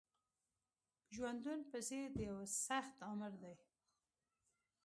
ژوندون په څېر د یوه سخت آمر دی